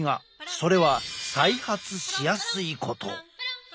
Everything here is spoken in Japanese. それは再発しやすいこと。